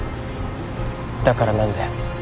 だから何だよ。